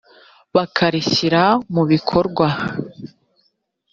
bakarishyira mu bikorwa